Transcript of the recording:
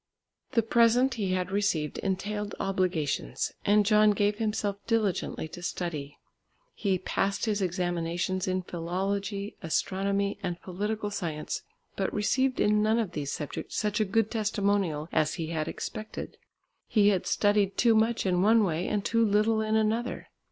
The present he had received entailed obligations, and John gave himself diligently to study. He passed his examinations in Philology, Astronomy, and Political Science, but received in none of these subjects such a good testimonial as he had expected. He had studied too much in one way and too little in another.